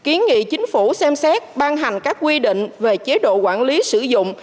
kiến nghị chính phủ xem xét ban hành các quy định về chế độ quản lý sử dụng